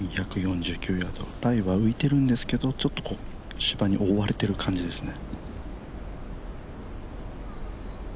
２４９ヤード、ライは浮いてるんですけどちょっと芝に覆われている感じですね。